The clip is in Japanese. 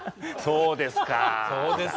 そうですか。